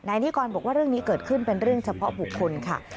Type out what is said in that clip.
นิกรบอกว่าเรื่องนี้เกิดขึ้นเป็นเรื่องเฉพาะบุคคลค่ะ